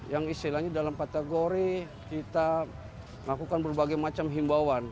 yang istilahnya dalam kategori kita melakukan berbagai macam himbauan